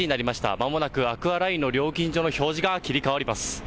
まもなくアクアラインの料金所の表示が切り替わります。